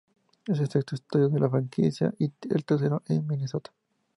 Es el sexto estadio de la franquicia y el tercero en Minnesota.